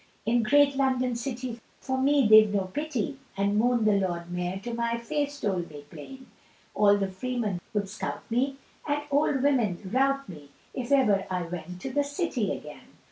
In great London City for me they've no pity; And Moon the Lord Mayor to my face told me plain, All the freemen would scout me, and old women rout me, If ever I went to the City again.